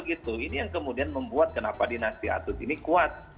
ini yang kemudian membuat kenapa dinasti atut ini kuat